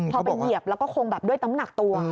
พอเป็นเหยียบแล้วก็คงด้วยตำหนักตัว